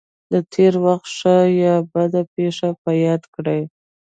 د تېر وخت ښه یا بده پېښه په یاد کړئ.